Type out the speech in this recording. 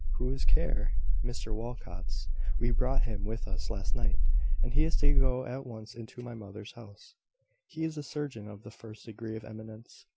"Whose care?" "Mr Walcot's. We brought him with us last night; and he is to go at once into my mother's house. He is a surgeon of the first degree of eminence.